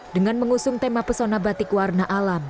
dengan mengusung tema pesona batik warna alam